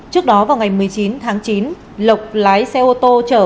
trước đó vào ngày một mươi chín tháng chín lộc lái xe ô tô chở